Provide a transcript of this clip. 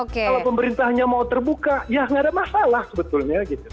kalau pemerintahnya mau terbuka ya nggak ada masalah sebetulnya